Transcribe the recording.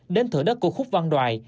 đến thửa đất của khúc văn đoài